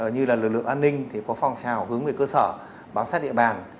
như là lực lượng an ninh thì có phong trào hướng về cơ sở bám sát địa bàn